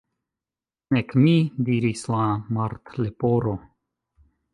"Nek mi," diris la Martleporo.